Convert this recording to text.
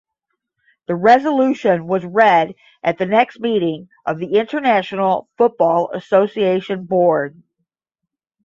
The resolution was read at the next meeting of the International Football Association Board.